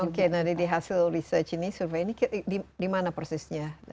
oke nah jadi hasil research ini survei ini di mana persisnya